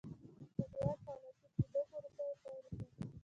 د هېواد د صنعتي کېدو پروسه یې پیل کړه.